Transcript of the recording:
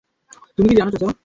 তুমি কি জানো, চাচা?